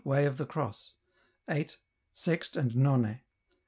Way of the Cross. 8. Sext and None.